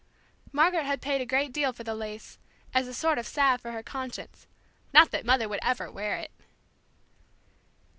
Margaret had paid a great deal for the lace, as a sort of salve for her conscience, not that Mother would ever wear it!